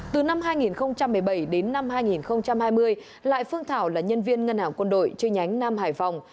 từ năm hai nghìn một mươi bảy đến năm hai nghìn hai mươi lại phương thảo là nhân viên ngân hàng quân đội chi nhánh nam hải phòng